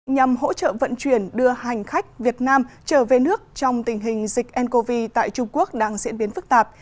nhằm hỗ trợ vận chuyển đưa hành khách việt nam trở về nước trong tình hình dịch ncov tại trung quốc đang diễn biến phức tạp